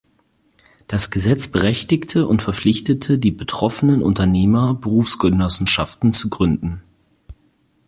Das Gesetz berechtigte und verpflichtete die betroffenen Unternehmer, Berufsgenossenschaften zu gründen.